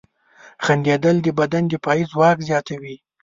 • خندېدل د بدن دفاعي ځواک زیاتوي.